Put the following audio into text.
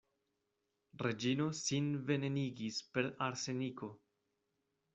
Reĝino sin venenigis per arseniko.